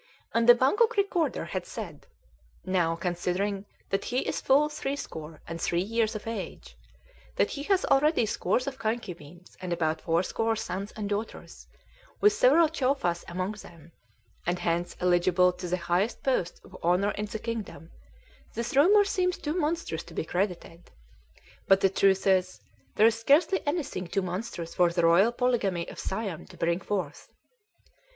And the Bangkok Recorder had said: "Now, considering that he is full threescore and three years of age, that he has already scores of concubines and about fourscore sons and daughters, with several Chowfas among them, and hence eligible to the highest posts of honor in the kingdom, this rumor seems too monstrous to be credited. But the truth is, there is scarcely anything too monstrous for the royal polygamy of Siam to bring forth."